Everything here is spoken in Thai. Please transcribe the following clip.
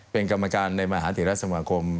เป็นกรรมการในมหาเถระสมาคม